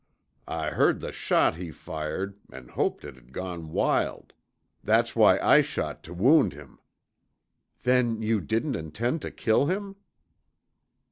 I heard the shot he fired an' hoped it'd gone wild that's why I shot tuh wound him." "Then you didn't intend to kill him?"